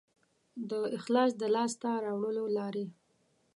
د اخلاص د لاسته راوړلو لارې